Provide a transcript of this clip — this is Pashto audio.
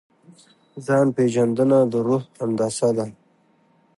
ځان پېژندنه د روح هندسه ده.